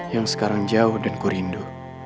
yang sekarang jauh dan ku rindu